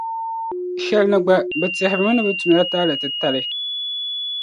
Shɛlini gba bɛ tɛhirimi ni bɛ tumla taali titali.